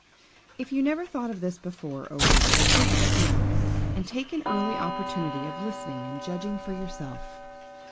If you never thought of this before, O reader, think of it now, and take an early opportunity of listening and judging for yourself.